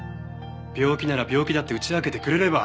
病気なら病気だって打ち明けてくれれば。